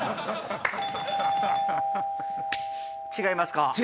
違いますか？